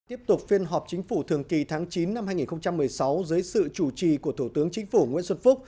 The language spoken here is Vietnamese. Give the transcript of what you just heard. tiếp tục phiên họp chính phủ thường kỳ tháng chín năm hai nghìn một mươi sáu dưới sự chủ trì của thủ tướng chính phủ nguyễn xuân phúc